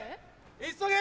急げ！